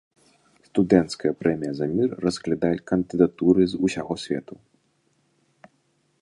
Студэнцкая прэмія за мір разглядае кандыдатуры з усяго свету.